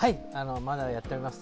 まだやっております。